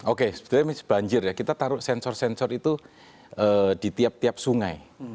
oke sebenarnya miss banjir ya kita taruh sensor sensor itu di tiap tiap sungai